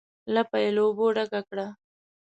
لپه یې له اوبو ډکه کړه.